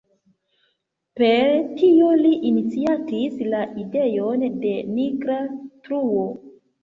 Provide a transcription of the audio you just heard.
Per tio li iniciatis la ideon de nigra truo.